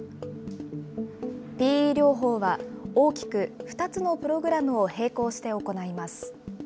ＰＥ療法は、大きく２つのプログラムを並行して行います。